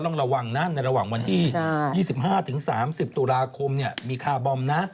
ต้องระวังนะในระหว่างวันที่๒๕๓๐ตุลาคมมีคาร์บอมนะ